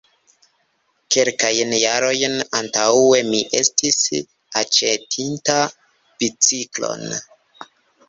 Kelkajn jarojn antaŭe mi estis aĉetinta biciklon.